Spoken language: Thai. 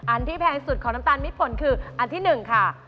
อันที่แพงสุดของน้ำตาลมิดฝนคืออันที่หนึ่งค่ะ